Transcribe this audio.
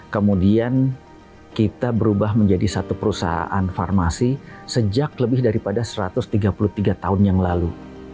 kemudian kita berubah menjadi satu perusahaan farmasi sejak lebih daripada satu ratus tiga puluh tiga tahun yang lalu